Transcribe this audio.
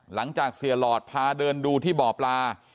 หลังจากเสียหลอดพาเดินดูที่บ่อปลา